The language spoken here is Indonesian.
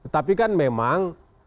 tapi kan memang